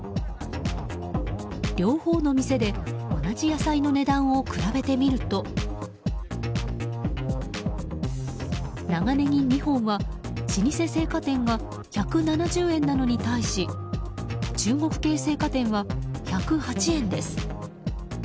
両方の店で同じ野菜の値段を比べてみると長ネギ２本は老舗青果店が１７０円なのに対し中国系青果店は１０８円です。